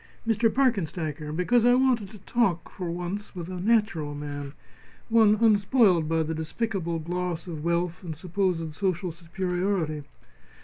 " Mr. Parkenstacker, because I wanted to talk, for once, with a natural man one unspoiled by the despicable gloss of wealth and supposed social superiority.